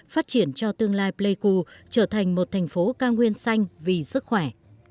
phát triển cho tương lai pleiku trở thành một thành phố cao nguyên xanh vì sức khỏe